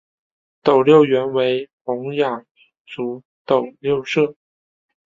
斗六原为洪雅族斗六社。